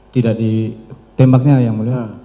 tidak di tembaknya ya mulia